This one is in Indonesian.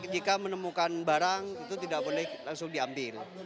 jika menemukan barang itu tidak boleh langsung diambil